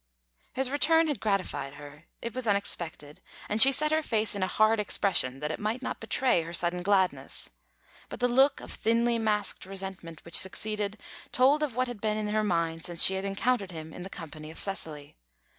His return had gratified her; it was unexpected, and she set her face in a hard expression that it might not betray her sudden gladness. But the look of thinly masked resentment which succeeded told of what had been in her mind since she encountered him in the company of Cecily.